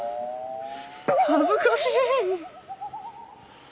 恥ずかしい！